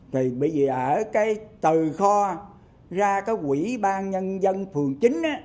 thì bây giờ ở cái từ kho ra cái quỹ ban nhân dân phường chính á